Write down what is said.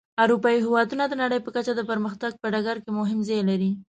اروپایي هېوادونه د نړۍ په کچه د پرمختګ په ډګر کې مهم ځای لري.